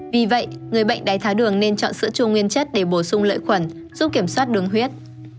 vì vậy người bệnh đáy tháo đường nên chọn sữa chua nguyên chất để bổ sung lợi khuẩn giúp kiểm soát đường huyết